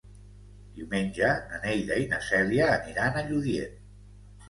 Diumenge na Neida i na Cèlia aniran a Lludient.